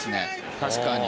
確かに。